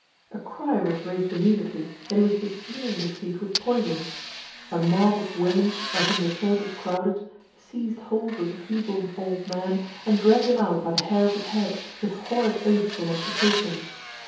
A cry was raised immediately that he was besmearing the seat with poison. A mob of women, by whom the church was crowded, seized hold of the feeble old man, and dragged him out by the hair of his head, with horrid oaths and imprecations.